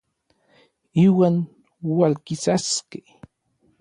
Iuan ualkisaskej.